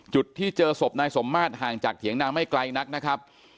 จุดที่เจอศพนายสมมาตรห่างจากเถียงนางไม่ไกลนักนะครับ